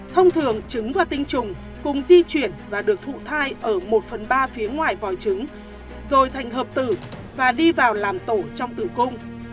thông thường trứng và tinh trùng cùng di chuyển và được thụ thai ở một phần ba phía ngoài vòi trứng rồi thành hợp tử và đi vào làm tổ trong tử cung